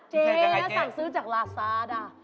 เจ๊ต้องสั่งซื้อจากลาสตาร์ท